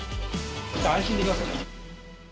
安心できますよ。